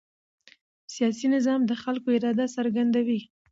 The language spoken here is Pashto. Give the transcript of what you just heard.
سیاسي نظام د خلکو اراده څرګندوي